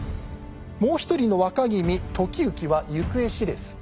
もう一人の若君時行は行方知れず。